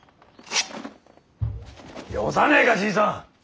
よさねえかじいさん。